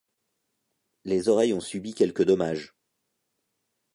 Les oreilles ont subi quelques dommages.